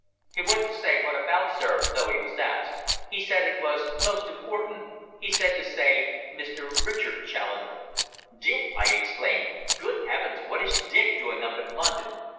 "He wouldn't say what about, sir, though he was asked. He said it was 'most important.' He said to say 'Mr. Richard Challoner.'" "Dick!" I exclaimed. "Good heavens, what is Dick doing up in London?